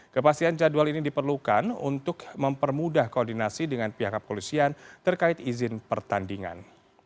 kepastian jadwal ini diperlukan untuk mempermudah koordinasi dengan pihak kepolisian terkait izin pertandingan